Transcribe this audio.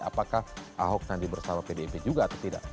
apakah ahok nanti bersama pdip juga atau tidak